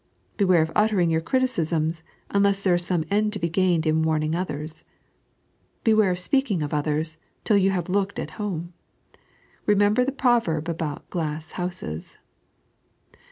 Beware of uttering your criti cisms, unless there is some end to he gained in warning others I Beware of speaking of others ; tilt you have looked at home ! Eemember the proverb about glass houses